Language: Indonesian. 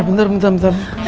bentar bentar bentar